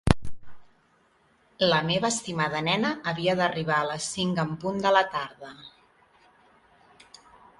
La meva estimada nena havia d'arribar a les cinc en punt de la tarda.